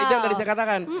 itu yang tadi saya katakan